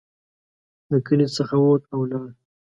له کلي څخه ووت او ولاړ.